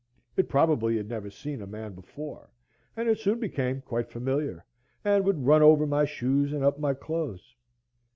It probably had never seen a man before; and it soon became quite familiar, and would run over my shoes and up my clothes.